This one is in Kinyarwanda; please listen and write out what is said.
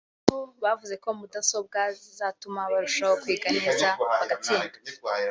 aho bavuze ko mudasobwa zizatuma barushaho kwiga neza bagatsinda